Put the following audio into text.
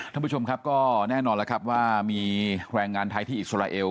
ท่านผู้ชมครับก็แน่นอนแล้วครับว่ามีแรงงานไทยที่อิสราเอล